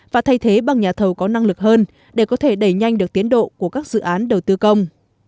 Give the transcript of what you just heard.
và thay thế bằng nhà thầu có năng lực hơn để có thể đẩy nhanh được tiến độ của các dự án đầu tư công